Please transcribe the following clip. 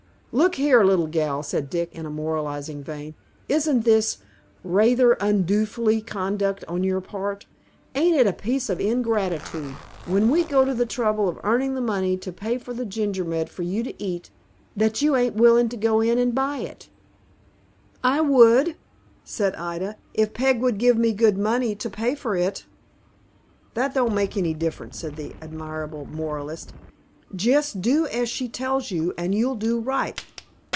"Look here, little gal," said Dick, in a moralizing vein, "isn't this rayther undootiful conduct on your part? Ain't it a piece of ingratitude, when we go to the trouble of earning the money to pay for gingerbread for you to eat, that you ain't willing to go in and buy it?" "I would just as lieves go in," said Ida, "if Peg would give me good money to pay for it." "That don't make any difference," said the admirable moralist; "jest do as she tells you, and you'll do right.